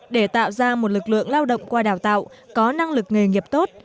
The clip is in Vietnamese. để tạo ra một lực lượng lao động qua đào tạo có năng lực nghề nghiệp tốt